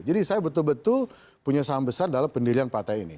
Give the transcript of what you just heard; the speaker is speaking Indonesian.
jadi saya betul betul punya saham besar dalam pendirian partai ini